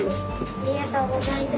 ありがとうございます。